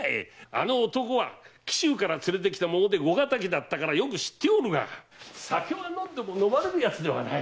あの男は紀州から連れてきた者で碁敵だったからよく知ってるが酒は飲んでも飲まれる奴ではない。